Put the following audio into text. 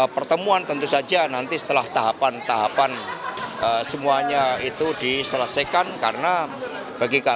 pertemuan antara pdip dan prabu